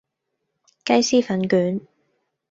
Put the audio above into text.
雞絲粉卷